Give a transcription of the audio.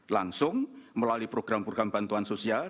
langsung melalui program program bantuan sosial